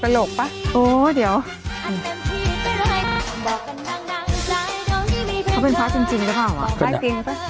เขาเป็นพระจริงหรือเปล่าพระจริง